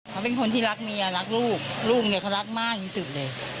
เขาเป็นคนที่รักเมียรักลูกลูกเนี่ยเขารักมากที่สุดเลย